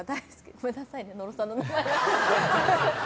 ごめんなさいね、野呂さん。